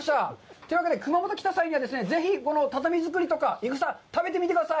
というわけで、熊本に来た際には、ぜひこの畳作りとか、いぐさ、食べてみてください。